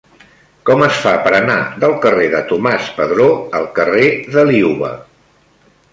Com es fa per anar del carrer de Tomàs Padró al carrer de Liuva?